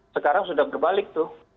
sekarang sudah berbalik tuh